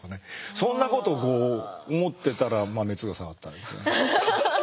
そんなことをこう思ってたら熱が下がったんですよね。